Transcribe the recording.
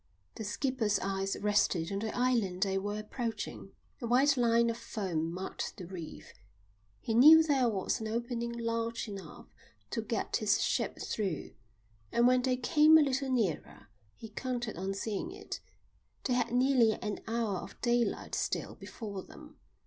The skipper's eyes rested on the island they were approaching. A white line of foam marked the reef. He knew there was an opening large enough to get his ship through, and when they came a little nearer he counted on seeing it. They had nearly an hour of daylight still before them.